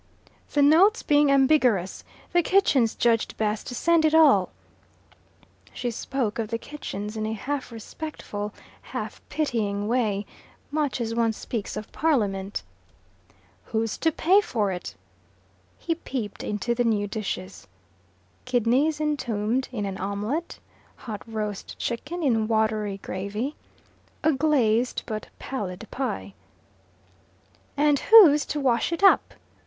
"The note being ambiguous, the Kitchens judged best to send it all." She spoke of the kitchens in a half respectful, half pitying way, much as one speaks of Parliament. "Who's to pay for it?" He peeped into the new dishes. Kidneys entombed in an omelette, hot roast chicken in watery gravy, a glazed but pallid pie. "And who's to wash it up?"